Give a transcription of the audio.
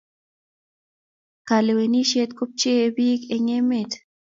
Kalewenisiet ko pcheei pik eng emet